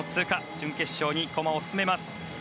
準決勝に駒を進めます。